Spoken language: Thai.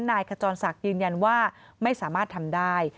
นายขจรศพยืนยันว่าไม่สามารถทำได้